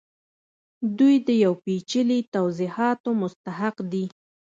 دوی د یو پیچلي توضیحاتو مستحق دي